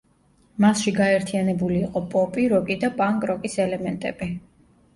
მასში გაერთიანებული იყო პოპი, როკი და პანკ-როკის ელემენტები.